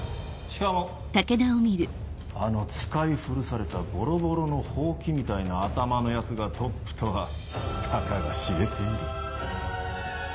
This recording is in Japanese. しかもあの使い古されたボロボロのホウキみたいな頭のヤツがトップとは高が知れている。